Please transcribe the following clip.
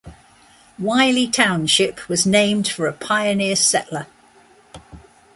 Wylie Township was named for a pioneer settler.